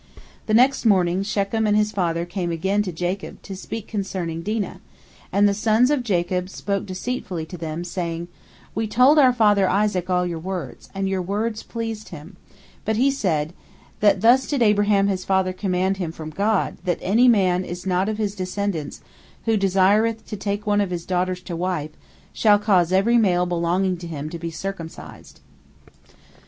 The next morning Shechem and his father came again to Jacob, to speak concerning Dinah, and the sons of Jacob spoke deceitfully to them, saying: "We told our father Isaac all your words, and your words pleased him, but he said, that thus did Abraham his father command him from God, that any man that is not of his descendants, who desireth to take one of his daughters to wife, shall cause every male belonging to him to be circumcised."